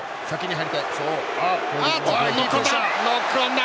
ノックオンだ！